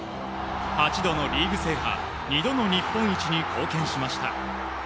８度のリーグ制覇２度の日本一に貢献しました。